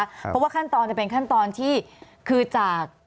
เพราะว่าขั้นตอนจะเป็นขั้นตอนที่คือจาก